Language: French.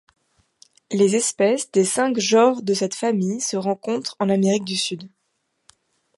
Les espèces des cinq genres de cette famille se rencontrent en Amérique du Sud.